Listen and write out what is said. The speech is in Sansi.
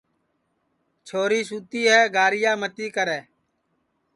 چھوری سُتی ہے گاریا متی کرے